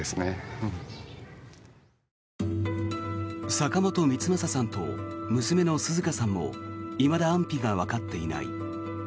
坂本光正さんと娘の紗花さんもいまだ安否がわかっていない。